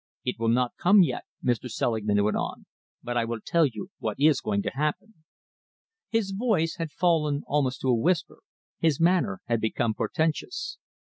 "It will not come yet," Mr. Selingman went on, "but I will tell you what is going to happen." His voice had fallen almost to a whisper, his manner had become portentous.